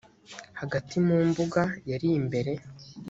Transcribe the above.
hagati mu mbuga yari imbere